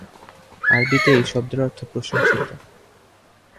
আরবীতে এই শব্দের অর্থ প্রশংসিত।